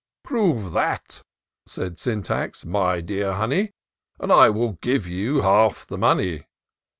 " Prove that," says Sjoitax, "my dear honey, And I will give you half the money.